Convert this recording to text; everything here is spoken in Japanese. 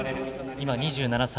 今２７歳。